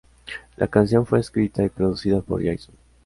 La canción fue escrita y producida por Jackson.